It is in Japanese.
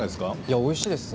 おいしいですね